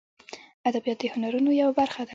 ادبیات د هنرونو یوه برخه ده